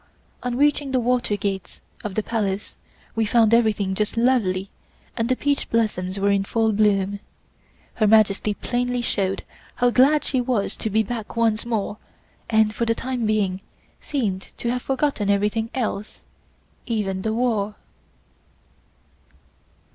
On reaching the water gates of the Palace we found everything just lovely and the peach blossoms were in full bloom. Her Majesty plainly showed how glad she was to be back once more and for the time being seemed to have forgotten everything else, even the war.